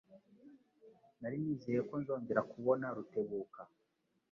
Nari nizeye ko nzongera kubona Rutebuka.